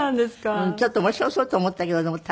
ちょっと面白そうと思ったけど大変だ。